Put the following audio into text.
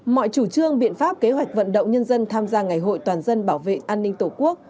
mọi chủ trương biện pháp kế hoạch vận động nhân dân tham gia ngày hội toàn dân bảo vệ an ninh tổ quốc